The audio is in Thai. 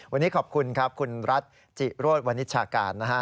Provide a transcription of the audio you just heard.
วันนี้ขอบคุณครับคุณระดจิรวชวันนิชชากรนะฮะ